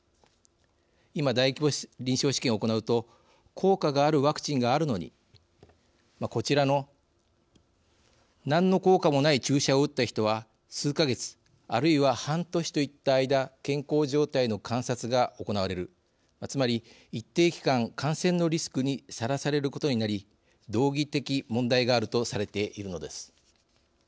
今、大規模臨床試験を行うと効果があるワクチンがあるのにこちらの何の効果もない注射を打った人は数か月あるいは半年といった間健康状態の観察が行われるつまり一定期間、感染のリスクにさらされることになり道義的問題があるとされているのです。